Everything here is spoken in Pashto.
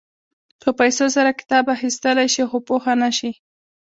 په پیسو سره کتاب اخيستلی شې خو پوهه نه شې.